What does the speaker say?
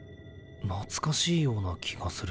懐かしいような気がする。